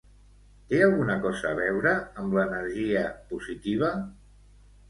Té alguna cosa a veure amb l'energia positiva.